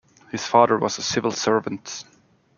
His father was a civil servant.